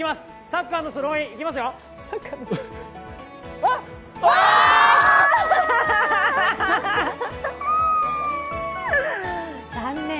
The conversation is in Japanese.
サッカーのスローイン、いきますよ残念。